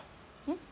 ん？